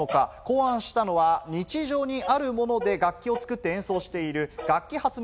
考案したのは日常にあるもので、楽器を作って演奏している楽器発明